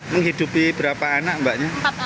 menghidupi berapa anak mbaknya